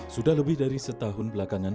sudah lebih dari setahun belakangan